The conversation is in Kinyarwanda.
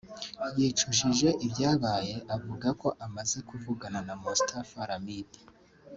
yicujije ibyabaye avuga ko amaze kuvugana na Mustapha Ramid